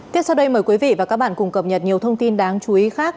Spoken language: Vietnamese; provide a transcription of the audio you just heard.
tiếp sau đây mời quý vị và các bạn cùng cập nhật nhiều thông tin đáng chú ý khác